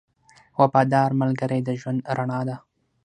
• وفادار ملګری د ژوند رڼا ده.